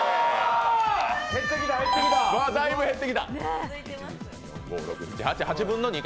だいぶ減ってきた。